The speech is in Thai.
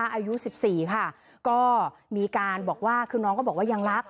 อายุ๑๔ค่ะก็มีการบอกว่าคือน้องก็บอกว่ายังรัก